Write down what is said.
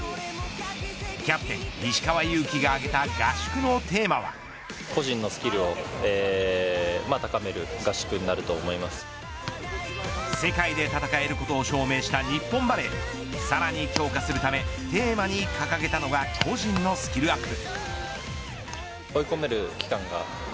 キャプテン、石川祐希が世界で戦えることを証明した日本バレーさらに強化するため、テーマに掲げたのが個人のスキルアップ。